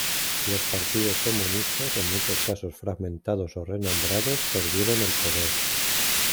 Los partidos comunistas, en muchos casos fragmentados o renombrados, perdieron el poder.